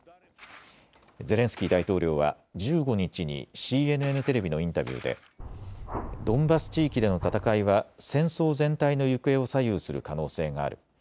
ゼレンスキー大統領は１５日にＣＮＮテレビのインタビューでドンバス地域での戦いは戦争全体の行方を左右する可能性がある。